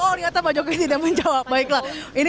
oh ternyata pak jokowi tidak menjawab baiklah